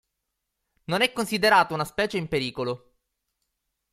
Non è considerata una specie in pericolo.